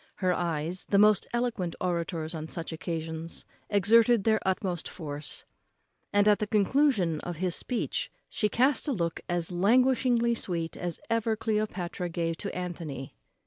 Her eyes, the most eloquent orators on such occasions, exerted their utmost force; and at the conclusion of his speech she cast a look as languishingly sweet as ever Cleopatra gave to Antony.